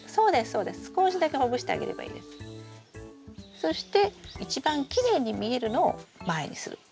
そして一番きれいに見えるのを前にする。